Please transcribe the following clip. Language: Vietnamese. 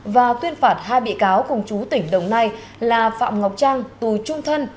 và tuyên phạt hai bị cáo cùng chú tỉnh đồng nai là phạm ngọc trang tù trung thân